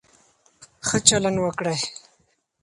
ښه چلند وکړئ.